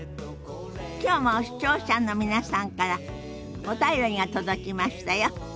きょうも視聴者の皆さんからお便りが届きましたよ。